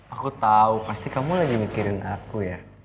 aku tahu pasti kamu lagi mikirin aku ya